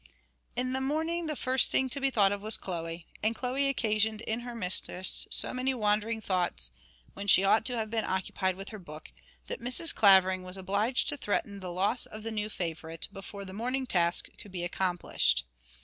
In the morning the first thing to be thought of was Chloe, and Chloe occasioned in her mistress so many wandering thoughts when she ought to have been occupied with her book that Mrs. Clavering was obliged to threaten the loss of the new favourite before the morning task could be accomplished.